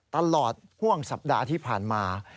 ตลอดห่วงสัปดาห์ที่ผ่านมา